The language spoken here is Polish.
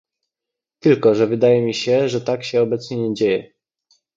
Tylko że wydaje mi się, że tak się obecnie nie dzieje